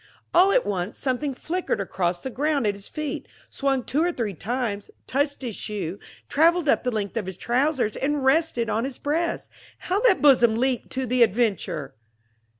All at once something flickered across the ground at his feet, swung two or three times, touched his shoe, traveled up the length of his trousers and rested on his breast. How that bosom leaped to the adventure!